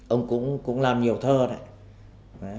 ông cũng làm nhiều thơ đấy